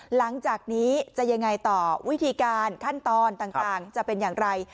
หลังจากนี้จะยังไงต่อวิธีการขั้นตอนต่างจะเป็นอย่างไร